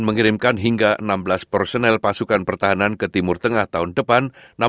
mengatakan bahwa orang orang yang berusaha berusaha berusaha